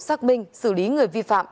xác minh xử lý người vi phạm